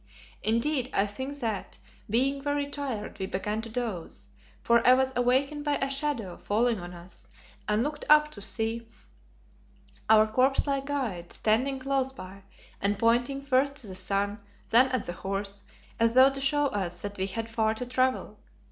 Indeed, I think that, being very tired, we began to doze, for I was awakened by a shadow falling on us and looked up to see our corpse like guide standing close by and pointing first to the sun, then at the horse, as though to show us that we had far to travel.